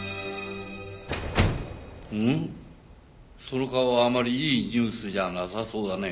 その顔はあまりいいニュースじゃなさそうだね。